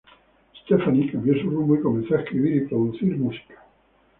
Stefanie cambió su rumbo y comenzó a escribir y producir música.